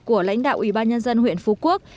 của lãnh đạo ủy ban nhân dân huyện phú quốc